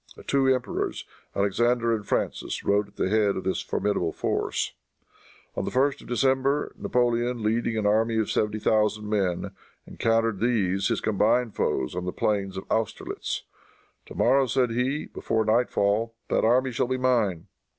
The two emperors, Alexander and Francis, rode at the head of this formidable force. On the 1st of December, Napoleon, leading an army of seventy thousand men, encountered these, his combined foes, on the plains of Austerlitz. "To morrow," said he, "before nightfall, that army shall be mine!"